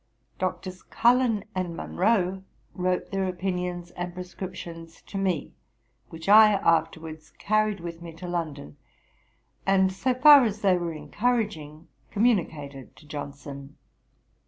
Doctors Cullen and Monro wrote their opinions and prescriptions to me, which I afterwards carried with me to London, and, so far as they were encouraging, communicated to Johnson.